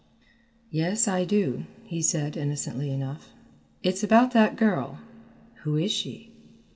"Yes, I do," he said, innocently enough; "it's about that girl. Who is she?"